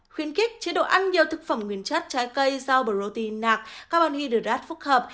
khuyến kích chế độ ăn nhiều thực phẩm nguyên chất trái cây rau protein nạc carbon hydrate phúc hợp